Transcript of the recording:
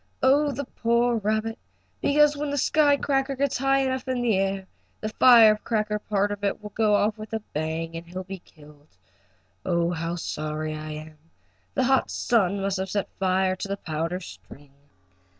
Oh the poor rabbit! Because when the sky cracker gets high enough in the air the firecracker part of it will go off with a bang, and he'll be killed. Oh, how sorry I am. The hot sun must have set fire to the powder string."